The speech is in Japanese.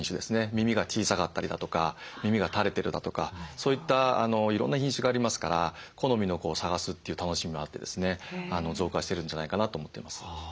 耳が小さかったりだとか耳が垂れてるだとかそういったいろんな品種がありますから好みの子を探すという楽しみもあってですね増加してるんじゃないかなと思っています。